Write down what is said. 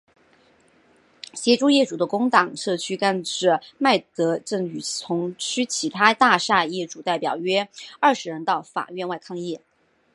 协助业主的工党社区干事麦德正与同区其他大厦业主代表约二十人到法院外抗议。